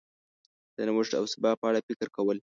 د نوښت او سبا په اړه فکر کول